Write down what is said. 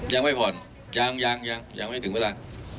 ยังไม่ผ่อนยังยังไม่ถึงเวลา